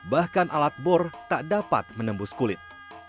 bahkan alat bor tak dapat menembus kulit